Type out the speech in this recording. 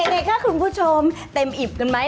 หลังจากฮิดาพาคุณผู้ชมเต็มอิบกันไหม